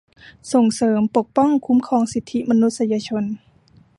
ส่งเสริม ปกป้อง คุ้มครองสิทธิมนุษยชน